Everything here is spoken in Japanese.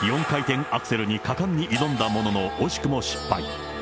４回転アクセルに果敢に挑んだものの、惜しくも失敗。